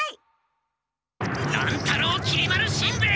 乱太郎きり丸しんべヱ！